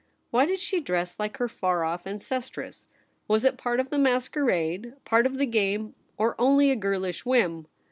Why did she dress like her far off ancestress ? Was it part of the mas querade, part of the game ; or only a girlish whim